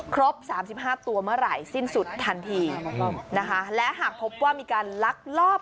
ครบ๓๕ตัวเมื่อไหร่สิ้นสุดทันทีและหากพบว่ามีการลักลอบ